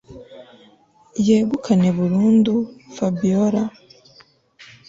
yegukane burundu Fabiora